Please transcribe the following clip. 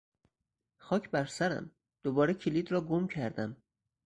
خاک برسرم! دوباره کلید را گم کردم!